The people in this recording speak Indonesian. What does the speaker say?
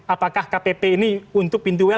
apakah kpp ini untuk pintu wel